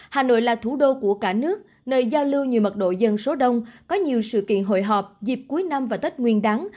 hà nội là thủ đô của cả nước nơi giao lưu nhiều mật độ dân số đông có nhiều sự kiện hội họp dịp cuối năm và tết nguyên đắng